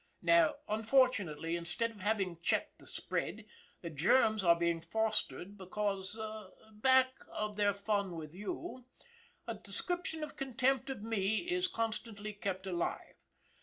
Now, unfortunately, instead of having checked the spread, the germs are being fostered because, back of their fun with you, a description of contempt for me is constantly kept alive.